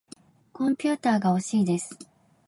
コンピューターがほしいです。